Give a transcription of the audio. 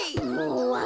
うわ。